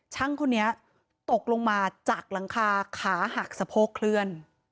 ช่างคนนี้ตกลงมาจากหลังคาขาหักสะโพกเคลื่อน